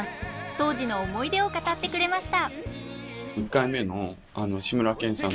当時の思い出を語ってくれました。